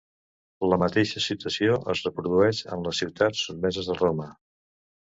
La mateixa situació es reprodueix en les ciutats sotmeses a Roma.